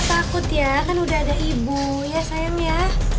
takut ya kan udah ada ibu ya sayang ya